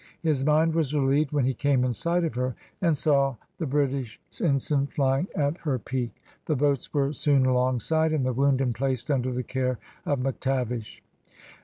His mind was relieved when he came in sight of her, and saw the British ensign flying at her peak; the boats were soon alongside, and the wounded placed under the care of McTavish.